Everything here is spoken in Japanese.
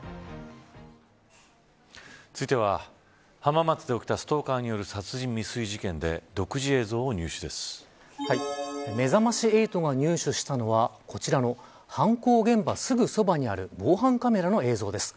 続いては、浜松で起きたストーカーによる殺人未遂事件でめざまし８が入手したのはこちらの犯行現場すぐそばにある防犯カメラの映像です。